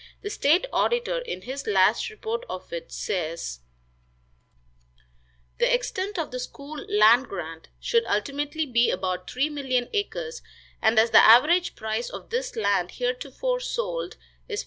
The state auditor, in his last report of it, says: "The extent of the school land grant should ultimately be about three million acres, and as the average price of this land heretofore sold is $5.